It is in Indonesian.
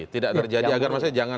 tidak terjadi agar maksudnya jangan